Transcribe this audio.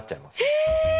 え！